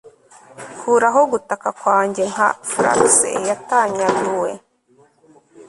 Kuraho gutaka kwanjye nka flax yatanyaguwe